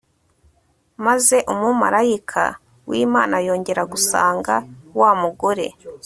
maze umumalayika w'imana yongera gusanga wa mugore